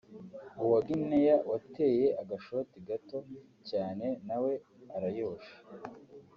uwa Guinea wateye agashoti gato cyane nawe arayihusha